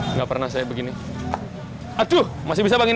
nggak pernah saya begini aduh masih bisa bang ini